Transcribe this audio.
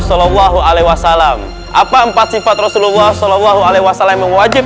shallallahu alaihi wasallam apa empat sifat rasulullah shallallahu alaihi wasallam wajib